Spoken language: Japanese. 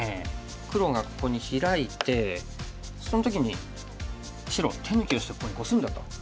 黒がここにヒラいてその時に白手抜きをしてここにコスんだと。